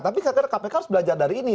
tapi karena kpk harus belajar dari ini